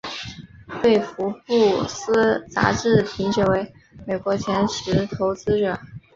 被福布斯杂志评选为美国前十投资者。